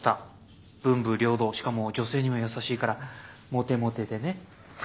しかも女性にも優しいからモテモテでね。